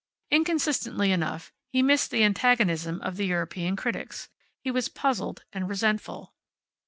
Inconsistently enough, he missed the antagonism of the European critics. He was puzzled and resentful.